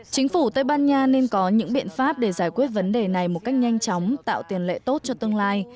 chính phủ tây ban nha nên có những biện pháp để giải quyết vấn đề này một cách nhanh chóng tạo tiền lệ tốt cho tương lai